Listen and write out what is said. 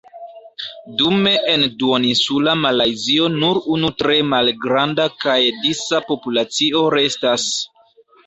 Dume en duoninsula Malajzio nur unu tre malgranda kaj disa populacio restas.